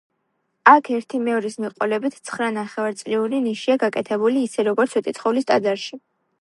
აქ ერთიმეორის მიყოლებით ცხრა ნახევარწრიული ნიშია გაკეთებული ისე, როგორც სვეტიცხოვლის ტაძარში.